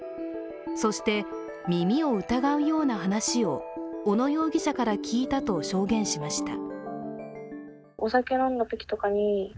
そして、耳を疑うような話を小野容疑者から聞いたと証言しました。